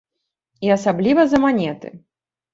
І асабліва за манеты.